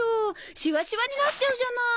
シワシワになっちゃうじゃない。